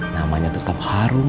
namanya tetap harum